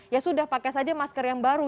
ya sudah pakai saja masker yang baru